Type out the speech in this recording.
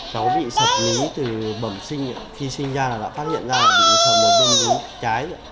cháu bị sập lý từ bẩm sinh khi sinh ra đã phát hiện ra là bị sập bẩm sinh trái